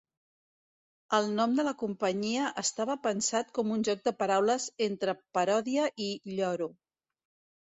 El nom de la companyia estava pensat com un joc de paraules entre "paròdia" i "lloro".